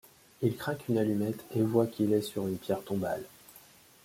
Il craque une allumette et voit qu’il est sur une pierre tombale.